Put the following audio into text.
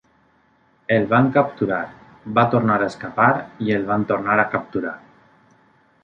El van capturar, va tornar a escapar i el van tornar a capturar.